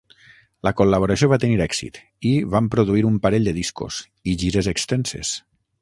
La col·laboració va tenir èxit, i van produir un parell de discos, i gires extenses.